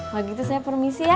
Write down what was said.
kalau gitu saya permisi ya